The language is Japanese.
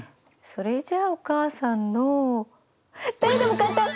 それじゃあお母さんの誰でも簡単！